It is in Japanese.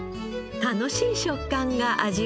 楽しい食感が味わえます。